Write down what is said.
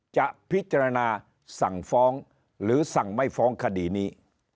จะพิจารณาสั่งฟ้องหรือสั่งไม่ฟ้องคดีนี้